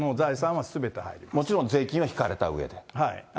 もちろん税金は引かれたうえはい。